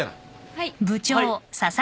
はい。